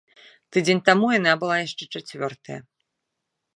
Тыдзень таму яна была яшчэ чацвёртая.